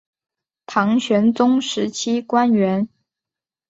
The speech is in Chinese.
唐玄宗时期官员。